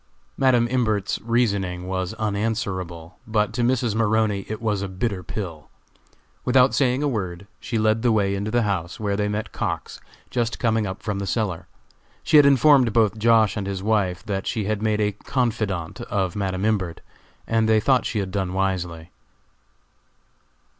Madam Imbert's reasoning was unanswerable, but to Mrs. Maroney it was a bitter pill. Without saying a word, she led the way into the house, where they met Cox, just coming up from the cellar. She had informed both Josh. and his wife that she had made a confidante of Madam Imbert, and they thought she had done wisely.